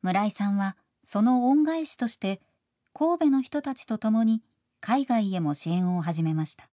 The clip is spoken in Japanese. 村井さんはその恩返しとして神戸の人たちと共に海外へも支援を始めました。